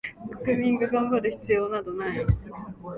国民が頑張る必要などない